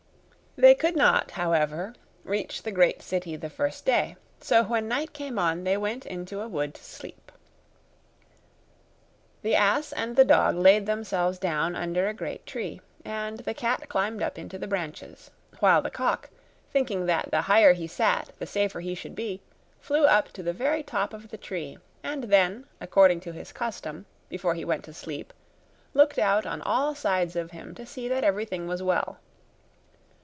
They could not, however, reach the great city the first day; so when night came on, they went into a wood to sleep. The ass and the dog laid themselves down under a great tree, and the cat climbed up into the branches; while the cock, thinking that the higher he sat the safer he should be, flew up to the very top of the tree, and then, according to his custom, before he went to sleep, looked out on all sides of him to see that everything was well.